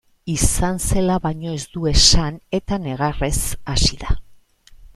Izan zela baino ez du esan eta negarrez hasi da.